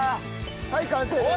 はい完成です！